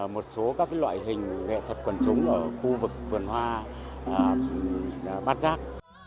một số các loại hình nghệ thuật quần chúng ở khu vực vườn hoa bát giác